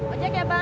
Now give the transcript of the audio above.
ojek ya bang